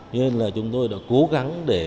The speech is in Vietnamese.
nên là chúng tôi đã cố gắng để